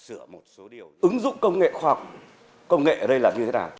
ứng dụng công nghệ khoa học công nghệ ở đây là như thế nào